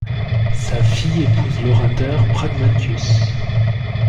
Sa fille épouse l'orateur Pragmatius.